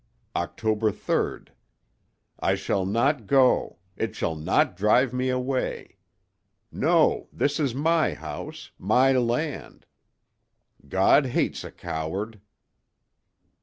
"Oct. 3.—I shall not go—it shall not drive me away. No, this is my house, my land. God hates a coward